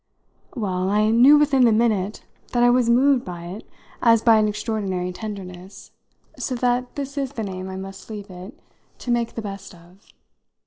Well, I knew within the minute that I was moved by it as by an extraordinary tenderness; so that this is the name I must leave it to make the best of.